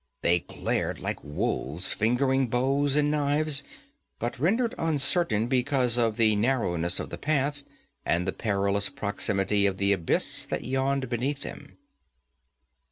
They glared like wolves, fingering bows and knives, but rendered uncertain because of the narrowness of the path and the perilous proximity of the abyss that yawned beneath them.